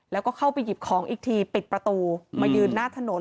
แล้วก็เข้าไปหยิบของอีกทีปิดประตูมายืนหน้าถนน